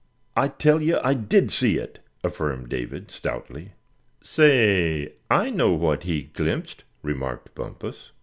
"I tell you I did see it!" affirmed Davy, stoutly. "Say, I know what he glimpsed," remarked Bumpus.